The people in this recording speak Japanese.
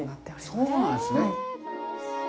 そうなんですね。